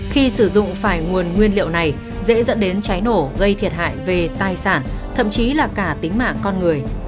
khi sử dụng phải nguồn nguyên liệu này dễ dẫn đến cháy nổ gây thiệt hại về tài sản thậm chí là cả tính mạng con người